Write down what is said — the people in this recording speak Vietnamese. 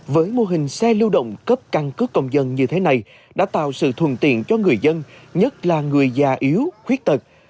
với mô hình xe lưu động cấp căn cước công dân như thế này đã tạo sự thuận tiện cho người dân nhất là người già yếu khuyết tật